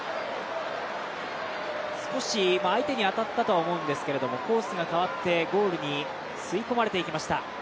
少し相手に当たったと思うんですがコースが変わって、ゴールに吸い込まれていきました。